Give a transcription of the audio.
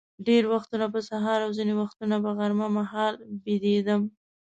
ډېر وختونه به سهار او ځینې وختونه به غرمه مهال بېدېدم.